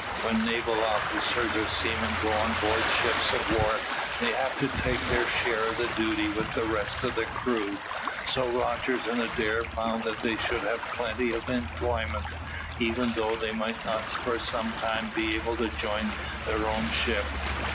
When naval officers or seamen go on board ships of war they have to take their share of the duty with the rest of the crew; so Rogers and Adair found that they should have plenty of employment, even though they might not for some time be able to join their own ship.